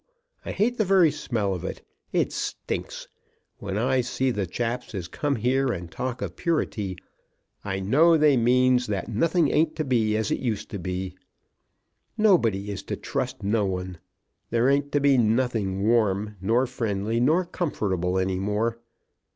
I hate the very smell of it. It stinks. When I see the chaps as come here and talk of Purity, I know they mean that nothing ain't to be as it used to be. Nobody is to trust no one. There ain't to be nothing warm, nor friendly, nor comfortable any more.